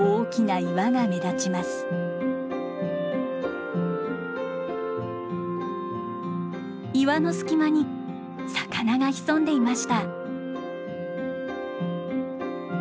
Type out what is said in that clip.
岩の隙間に魚が潜んでいました。